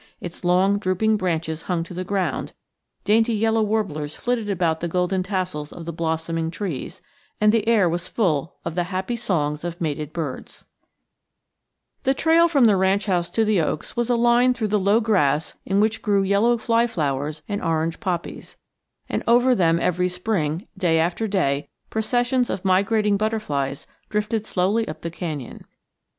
Its long drooping branches hung to the ground, dainty yellow warblers flitted about the golden tassels of the blossoming trees, and the air was full of the happy songs of mated birds. [Illustration: A SHADY BOWER] The trail from the ranch house to the oaks was a line through the low grass in which grew yellow fly flowers and orange poppies; and over them every spring, day after day, processions of migrating butterflies drifted slowly up the canyon.